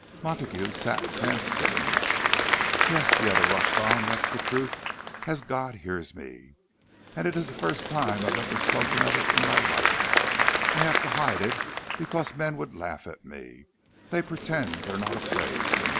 Montague sat transfixed. "Yes," the other rushed on, "that's the truth, as God hears me! And it's the first time I've ever spoken it in my life! I have to hide it—because men would laugh at me—they pretend they're not afraid!